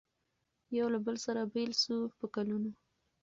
یو له بله سره بېل سو په کلونو